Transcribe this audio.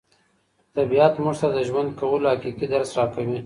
طبیعت موږ ته د ژوند کولو حقیقي درس راکوي.